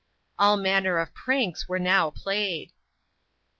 All manner of pranks were now played.